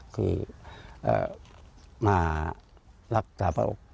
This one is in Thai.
คือมารักษณ์สหรับพระองค์